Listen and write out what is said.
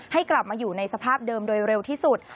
ให้กลับมาอยู่ในสภาพเดิมโดยเร็วที่สุด